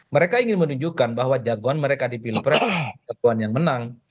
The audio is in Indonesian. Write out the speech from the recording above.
mereka ingin menunjukkan bahwa jagoan mereka di pilpres adalah satuan yang menang